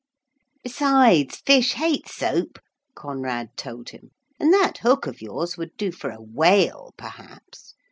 'Besides, fish hate soap,' Conrad told him, 'and that hook of yours would do for a whale perhaps.